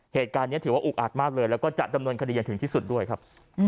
เหตุการณ์นี้ถือว่าอุกอัดมากเลยแล้วก็จะดำเนินคดีอย่างถึงที่สุดด้วยครับ